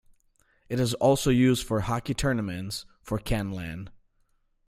It is also used for hockey tournaments for Canlan.